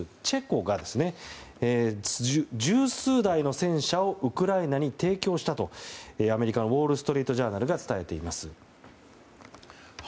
チェコが十数台の戦車をウクライナに提供したとアメリカのウォール・ストリート・ジャーナルが伝えています。